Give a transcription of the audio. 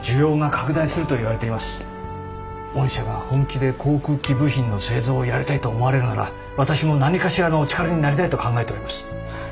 御社が本気で航空機部品の製造をやりたいと思われるなら私も何かしらのお力になりたいと考えております。